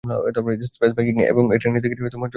Space viking আর eternity থেকে জন্ম নেয়া তার মেয়ে।